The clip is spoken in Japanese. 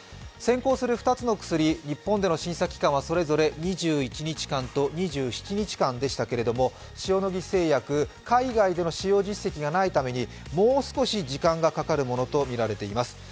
先行する２つの薬、日本での審査期間はそれぞれ２１日間と２７日間でしたけれども、塩野義製薬、海外での使用実績がないためにもう少し時間がかかるものとみられています。